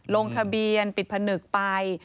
ลงทะเบียนปิดผนึกไป